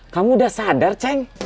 kamu udah sadar ceng